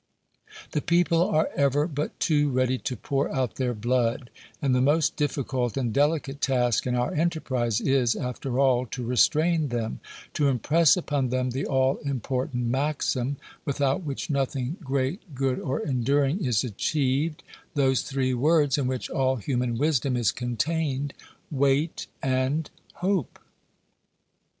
The people are ever but too ready to pour out their blood, and the most difficult and delicate task in our enterprise is, after all, to restrain them to impress upon them the all important maxim, without which nothing great, good or enduring is achieved, those three words in which all human wisdom is contained, 'Wait and hope.'"